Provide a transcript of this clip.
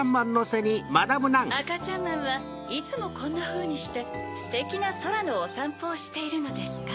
あかちゃんまんはいつもこんなふうにしてステキなそらのおさんぽをしているのですか？